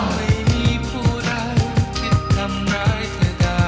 ไม่มีผู้รักคิดทำร้ายเท่าไหร่